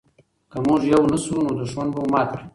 که موږ یو نه شو نو دښمن به مو مات کړي.